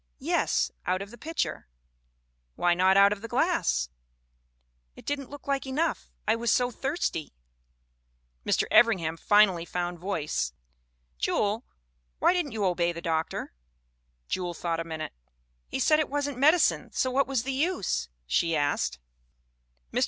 'Yes, out of the pitcher/ " 'Why not out of the glass?' " 'It didn't look enough. I was so thirsty/ "Mr. Evringham finally found voice. " 'Jewel, why didn't you obey the doctor?' ... "Jewel thought a minute. " 'He said it wasn't medicine, so what was the use?' she asked. "Mr.